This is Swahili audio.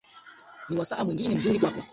ni wasaa mwingine mzuri kwako